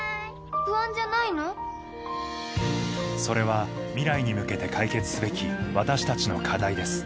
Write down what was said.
それは未来に向けて解決すべき私たちの課題です